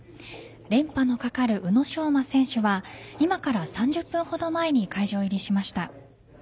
連覇のかかる宇野昌磨選手は今から３０分ほど前に会場入りしました。